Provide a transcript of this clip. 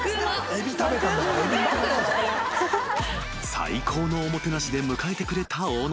［最高のおもてなしで迎えてくれた大野荘］